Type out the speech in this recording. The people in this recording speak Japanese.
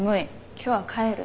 今日は帰る。